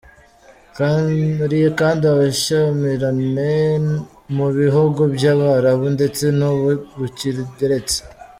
Hari kandi ubushyamirane mu bihugu by’Abarabu ndetse n’ubu rukigeretse.